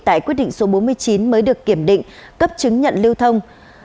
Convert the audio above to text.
tại quyết định số bốn mươi chín mới được kiểm định cấp chứng nhận lưu thông